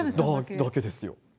だけですよ。